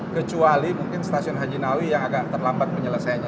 kecuali mungkin stasiun haji nawi yang agak terlambat penyelesaiannya